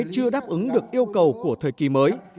chưa đáp ứng được yêu cầu của thời kỳ mới